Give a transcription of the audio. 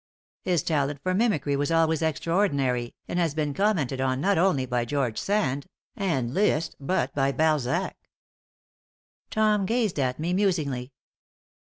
His talent for mimicry was always extraordinary, and has been commented on not only by George Sand and Liszt but by Balzac.'" Tom gazed at me, musingly.